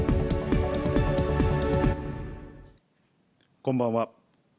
こんばんは。